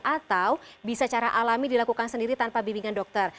atau bisa cara alami dilakukan sendiri tanpa bimbingan dokter